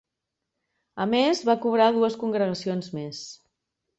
A més, va trobar dues congregacions més.